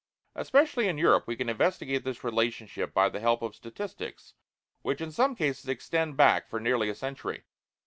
Especially in Europe we can investigate this relationship by the help of statistics which in some cases extend back for nearly a century.